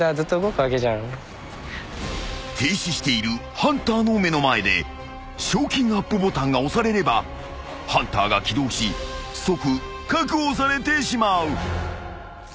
［停止しているハンターの目の前で賞金アップボタンが押されればハンターが起動し即確保されてしまう］